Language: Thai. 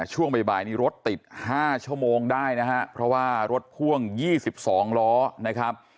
ช่วงบ่ายบ่ายนี้รถติดห้าชั่วโมงได้นะฮะเพราะว่ารถพ่วงยี่สิบสองล้อนะครับ